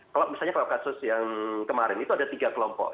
kalau misalnya kalau kasus yang kemarin itu ada tiga kelompok